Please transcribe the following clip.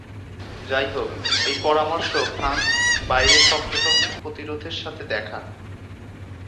যাইহোক, এই পরামর্শ ফ্রান্স বাইরে শক্ত শক্ত প্রতিরোধের সাথে দেখা।